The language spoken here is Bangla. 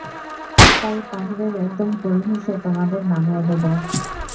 তাই, পাহাড়ের একদম কোল ঘেঁষে তোমাদের নামিয়ে দেব!